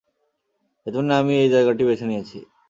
এজন্যই আমি এই জায়গাটি বেছে নিয়েছি।